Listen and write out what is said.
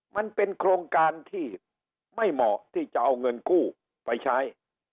มันเป็นโครงการที่ไม่เหมาะที่จะเอาเงินกู้ไปใช้